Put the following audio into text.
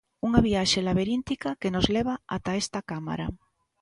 Unha viaxe labiríntica que nos leva ata esta cámara.